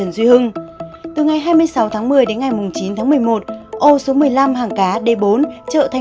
xin chào các bạn